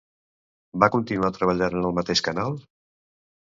Va continuar treballant en el mateix canal?